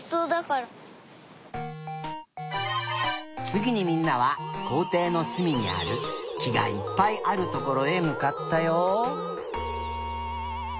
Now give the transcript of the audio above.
つぎにみんなはこうていのすみにあるきがいっぱいあるところへむかったよ。